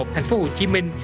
thành phố hồ chí minh